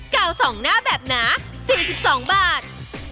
กาว๒หน้าแบบหนา๔๒บาท